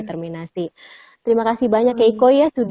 ternyata udah berhasil